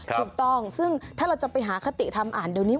ถูกต้องซึ่งถ้าเราจะไปหาคติธรรมอ่านเดี๋ยวนี้